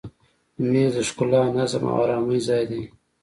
مېز د ښکلا، نظم او آرامي ځای دی.